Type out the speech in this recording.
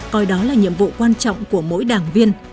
coi đó là nhiệm vụ quan trọng của mỗi đảng viên